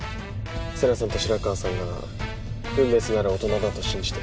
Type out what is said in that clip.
瀬那さんと白川さんが分別のある大人だと信じて。